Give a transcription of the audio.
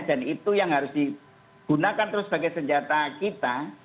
dan itu yang harus digunakan terus sebagai senjata kita